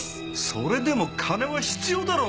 それでも金は必要だろ！